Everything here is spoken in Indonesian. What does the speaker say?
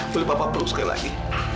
boleh papa perut sekali lagi